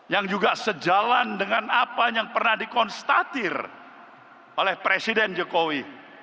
yang juga sejalan dengan apa yang pernah dikonstatir oleh presiden jokowi